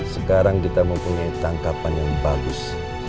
sekarang kita mempunyai tangkapan yang bagus